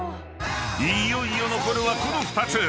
［いよいよ残るはこの２つ］